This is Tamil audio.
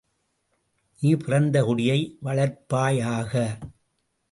நீ பிறந்த குடியை வளர்ப்பாயாக!